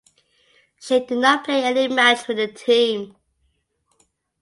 She did not play any match with the team.